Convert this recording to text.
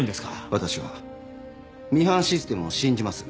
私はミハンシステムを信じます。